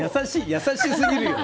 優しすぎるよ。